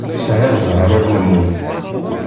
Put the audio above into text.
Tesεiḍ ẓẓher ur nemmut.